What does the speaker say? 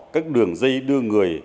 các đường dây đưa người